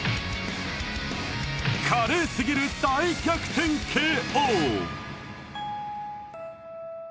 華麗すぎる大逆転ＫＯ！